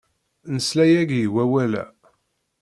Nesla yagi i wawal-a.